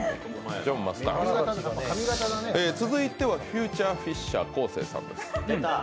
続いてはフューチャーフィッシャー昴生さんです。